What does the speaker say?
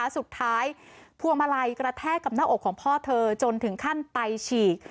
สุดท้ายพัวมาลัยกระแทกกับหน้าอกของพ่อเธอจนถึงขั้นใต้ฉีก